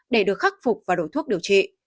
để được khắc phục và đổi thuốc điều trị